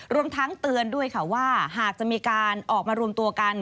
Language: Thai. รวมทั้งเตือนด้วยค่ะว่าหากจะมีการออกมารวมตัวกัน